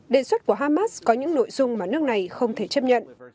đề xuất của hamas có những nội dung mà nước này không thể chấp nhận